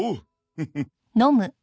フフッ。